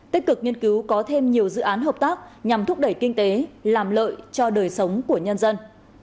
tích cực nghiên cứu có thêm nhiều dự án hợp tác nhằm thúc đẩy kinh tế làm lợi cho đời sống của nhân dân